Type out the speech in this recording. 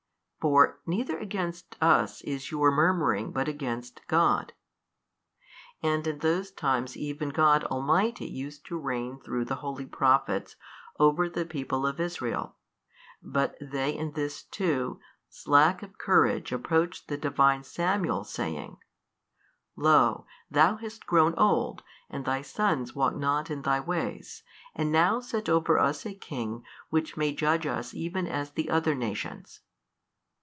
for neither against us is your murmuring but against God. And in those times even God Almighty used to reign through the holy Prophets over the people of Israel, but they in this too, slack of courage approached the Divine Samuel saying, Lo THOU hast grown old and thy sons walk not in thy ways and now set over us a king which may judge us even as the other nations.